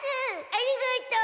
ありがとう。